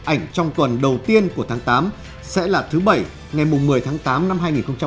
ảnh trong tuần đầu tiên của tháng tám sẽ là thứ bảy ngày một mươi tháng tám năm hai nghìn một mươi chín